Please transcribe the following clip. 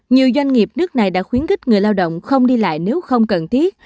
nhiều doanh nghiệp nước này đã khuyến khích người lao động không đi lại nếu không cần thiết